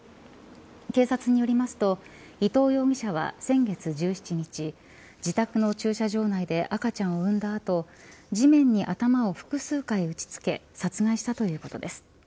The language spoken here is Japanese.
警察によりますと伊藤容疑者は先月１７日自宅の駐車場内で赤ちゃんを産んだ後地面に頭を複数回打ち付け殺害したということです。